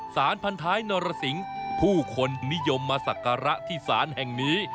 สารพันท้ายนรสิงผู้คนนิยมมาสักการะที่ศาลแห่งนี้